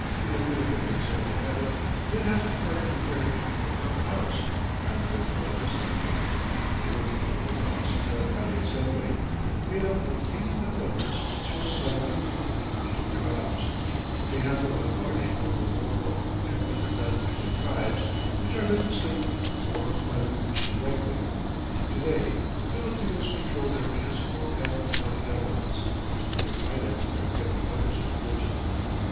Filipino members have been added, and it has acquired the character of an upper house, rather than a legislature. The work of a lower house is done by the Assembly, made up of eighty one members chosen by the people of the Christian tribes. They have no authority over the Moro and other non Christian tribes, which are legislated for by the Commission directly. To day the Filipinos control their municipal and county governments, but their finances are kept under supervision.